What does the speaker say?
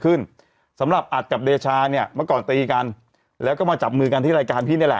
สำหรับอัดกับเดชาเนี่ยเมื่อก่อนตีกันแล้วก็มาจับมือกันที่รายการพี่นี่แหละ